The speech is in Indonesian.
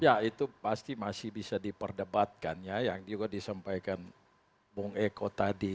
ya itu pasti masih bisa diperdebatkan ya yang juga disampaikan bung eko tadi